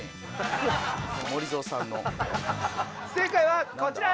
正解はこちら！